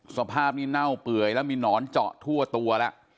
สภาพนี้เน่าเปื่อยแล้วมีหนอนเจาะทั่วตัวแล้ว